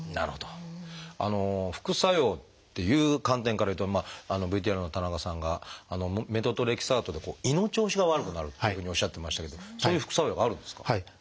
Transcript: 副作用っていう観点からいうとＶＴＲの田中さんがメトトレキサートで胃の調子が悪くなるっていうふうにおっしゃってましたけどそういう副作用があるんですか？